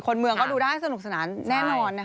เมืองก็ดูได้สนุกสนานแน่นอนนะคะ